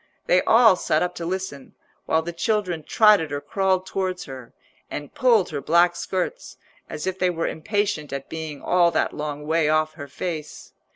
They all sat up to listen, while the children trotted or crawled towards her, and pulled her black skirts, as if they were impatient at being all that long way off her face.